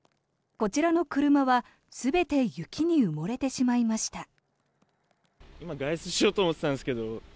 こちらの車は全て雪に埋もれてしまいました。